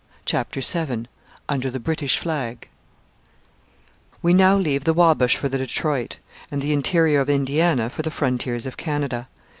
CHAPTER VII UNDER THE BRITISH FLAG We now leave the Wabash for the Detroit, and the interior of Indiana for the frontiers of Canada.